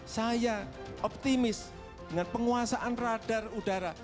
saya optimis dengan penguasaan radar udara